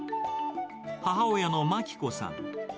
母親の牧子さん。